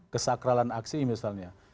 kesakralan aksi misalnya